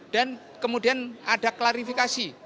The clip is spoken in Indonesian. dan kemudian ada klarifikasi